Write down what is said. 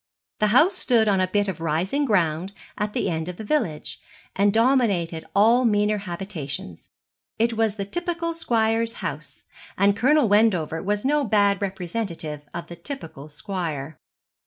The house stood on a bit of rising ground at the end of the village, and dominated all meaner habitations. It was the typical squire's house, and Colonel Wendover was no bad representative of the typical squire.